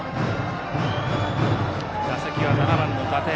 打席は７番の伊達。